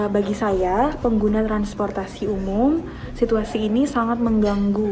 bagi saya pengguna transportasi umum situasi ini sangat mengganggu